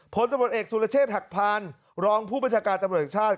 ผลตำรวจเอกสุรเชษฐ์หักพานรองผู้บัญชาการตำรวจแห่งชาติ